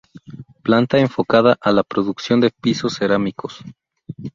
Planta enfocada a la producción de pisos cerámicos.